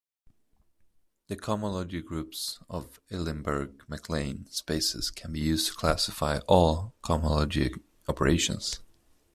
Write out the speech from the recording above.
The cohomology groups of Eilenberg-MacLane spaces can be used to classify all cohomology operations.